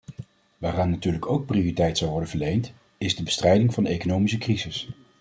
Waaraan natuurlijk ook prioriteit zal worden verleend, is de bestrijding van de economische crisis.